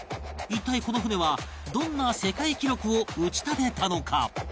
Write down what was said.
一体この船はどんな世界記録を打ち立てたのか？